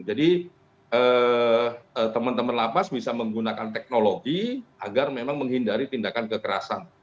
jadi teman teman lapas bisa menggunakan teknologi agar memang menghindari tindakan kekerasan